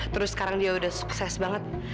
terus sekarang dia udah sukses banget